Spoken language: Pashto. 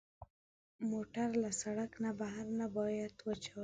موټر له سړک نه بهر نه باید وچلول شي.